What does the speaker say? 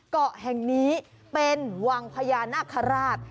เกาะแห่งนี้เป็นวังพญานาคาราช